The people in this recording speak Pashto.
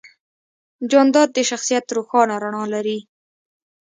جانداد د شخصیت روښانه رڼا لري.